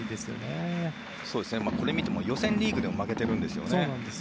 これを見ても予選リーグでは負けてるんですよね。